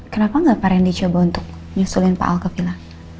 kenapa nggak pak rendy coba untuk nyusulin pak al ke vila